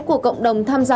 của cộng đồng tham gia